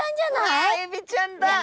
うわエビちゃんだ！